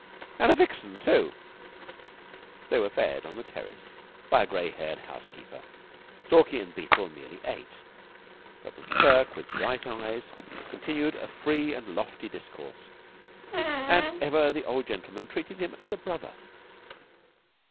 And a vixen, too!" They were fed on the terrace by a gray haired housekeeper. Stalky and Beetle merely ate, but McTurk with bright eyes continued a free and lofty discourse; and ever the old gentleman treated him as a brother.